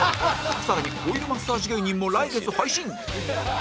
更にオイルマッサージ芸人も来月配信